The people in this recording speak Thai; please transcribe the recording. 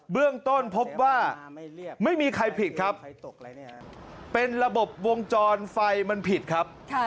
เบื้องต้นพบว่าไม่มีใครผิดครับเป็นระบบวงจรไฟมันผิดครับ